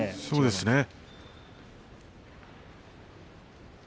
そうですね